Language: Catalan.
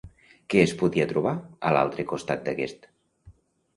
Què es podia trobar a l'altre costat d'aquest?